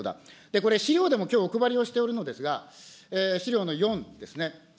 これ、資料でもお配りをしておるのですが、資料の４ですね。